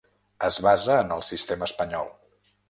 Es basa en el sistema espanyol.